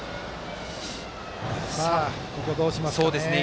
ここ、どうしますかね。